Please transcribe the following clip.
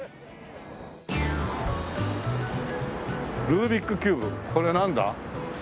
ルービックキューブこれなんだ？